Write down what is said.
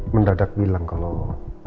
mendadak bilang kalau